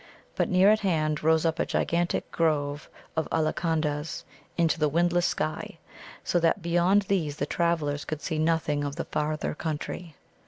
But near at hand rose up a gigantic grove of Ollacondas into the windless sky, so that beyond these the travellers could see nothing of the farther country.